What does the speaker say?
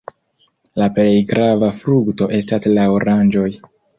La plej grava frukto estas la oranĝoj.